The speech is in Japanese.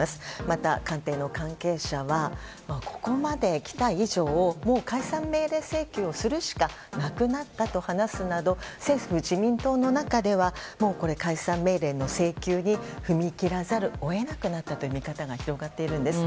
また官邸の関係者はここまできた以上解散命令請求をするしかなくなったなどと話すなど政府自民党の中では解散命令の請求に踏み切らざるを得なくなったという見方が広がっているんです。